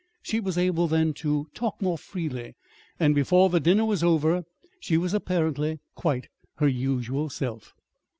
She was able then to talk more freely; and before the dinner was over she was apparently quite her usual self.